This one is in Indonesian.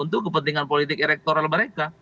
untuk kepentingan politik elektoral mereka